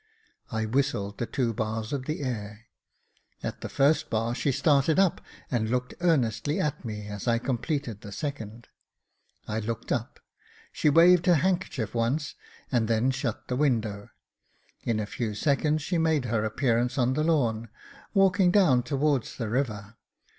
I whistled the two bars of the air. At the first bar she started up, and looked earnestly at me as I completed the second. I looked up ; she waved her handkerchief once, and then shut the window. In a few seconds she made her appearance on the lawn, walking down towards the river.